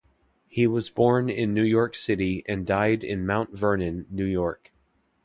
He was born in New York City and died in Mount Vernon, New York.